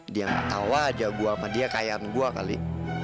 dia gak tau aja gue sama dia kayaan gue kali